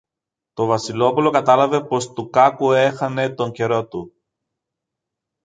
Το Βασιλόπουλο κατάλαβε πως του κάκου έχανε τον καιρό του.